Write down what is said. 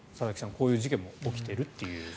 こういう事件も起きていると。